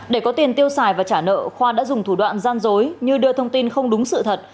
để có tiền tiêu xài và trả nợ khoa đã dùng thủ đoạn gian dối như đưa thông tin không đúng sự thật